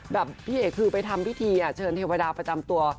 พี่เอกคือไปทำพิธีเชิญเทวดาประจำตัว